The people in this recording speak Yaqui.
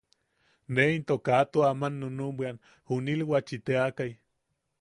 Ne into kaa tua aman nunnuʼubwian jinilwachi teakai.